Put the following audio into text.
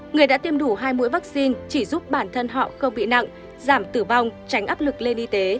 người đã tiêm đủ hai mũi vaccine chỉ giúp bản thân họ không bị nặng giảm tử vong tránh áp lực lên y tế